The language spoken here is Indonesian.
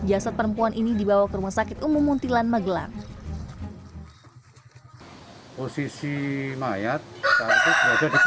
jasad perempuan ini dibawa ke rumah sakit umum muntilan magelang